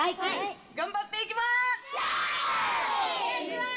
頑張っていきます！